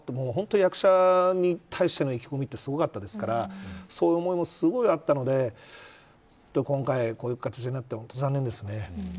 ほんとに役者に対しての意気込みがすごい方ですからそういう思いもすごいあったので今回こういう形になって本当に残念です。